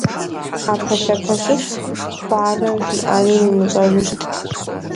Ӏэпэлъапэсыс хъуарэ жиӏэнур имыщӏэжу щытт.